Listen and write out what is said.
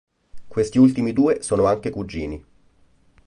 Questi ultimi due sono anche cugini.